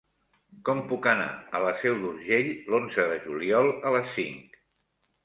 Com puc anar a la Seu d'Urgell l'onze de juliol a les cinc?